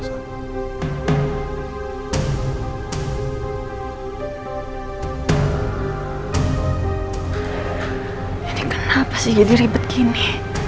jadi kenapa sih jadi ribet gini